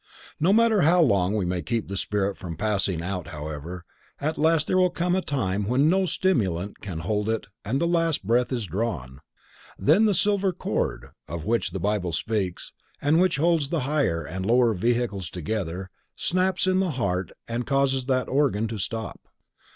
_ No matter how long we may keep the spirit from passing out however, at last there will come a time when no stimulant can hold it and the last breath is drawn. Then the silver cord, of which the Bible speaks, and which holds the higher and the lower vehicles together, snaps in the heart and causes that organ to stop.